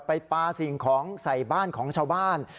ปลาสิ่งของใส่บ้านของชาวบ้าน